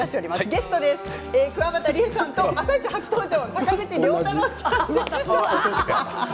ゲストは、くわばたりえさんと「あさイチ」初登場の坂口涼太郎さんです。